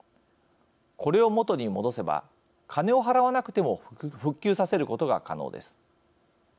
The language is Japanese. これを元に戻せば金を払わなくても復旧させることが可能です。